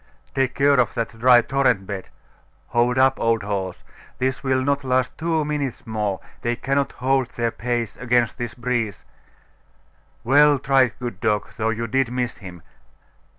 'Take care of that dry torrent bed! Hold up, old horse! This will not last two minutes more. They cannot hold their pace against this breeze.... Well tried, good dog, though you did miss him!